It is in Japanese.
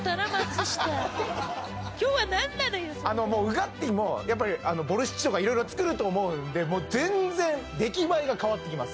ウガッティーもやっぱりボルシチとか色々作ると思うんでもう全然できばえが変わってきます